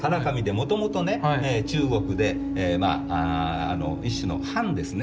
もともとね中国でまあ一種の判ですね。